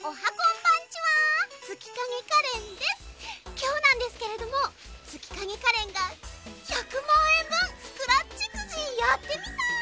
「今日なんですけれども月影カレンが１００万円分スクラッチくじやってみた！」